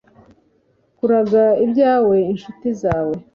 kuraga ibyawe incuti zawe,